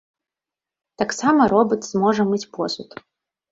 Таксама робат зможа мыць посуд.